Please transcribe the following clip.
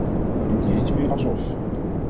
U doet niet eens meer alsof.